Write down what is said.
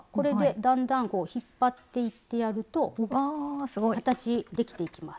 だんだん引っ張っていってやると形できていきます。